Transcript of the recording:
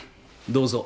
どうぞ。